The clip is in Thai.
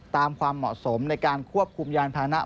ความเหมาะสมในการควบคุมยานพานะ